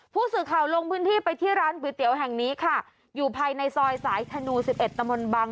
ผู้สื่อข่าวลงพื้นที่ไปที่ร้านก๋วยเตี๋ยวแห่งนี้ค่ะอยู่ภายในซอยสายธนู๑๑ตะมนต์บัง